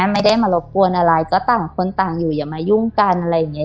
ไม่ได้มารบกวนอะไรก็ต่างคนต่างอยู่อย่ามายุ่งกันอะไรอย่างนี้